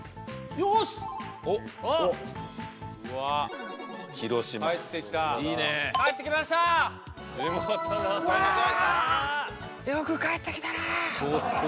よく帰ってきたな。